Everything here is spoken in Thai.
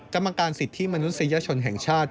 กรรมการสิทธิมนุษยชนแห่งชาติ